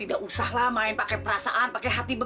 gue jadi supir angkot aja